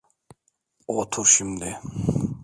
Otur şimdi.